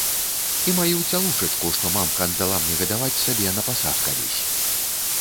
І маю цялушачку, што мамка аддала мне гадаваць сабе на пасаг калісь.